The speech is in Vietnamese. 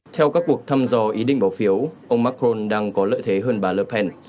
theo các cuộc thăm dò ý định bầu phiếu ông macron đang có lợi thế hơn bà le pen